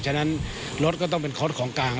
ฉะนั้นรถก็ต้องเป็นโค้ดของกลาง